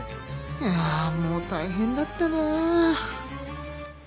いやもう大変だったなあ。